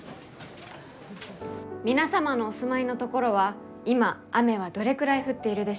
皆様のお住まいの所は今雨はどれくらい降っているでしょうか？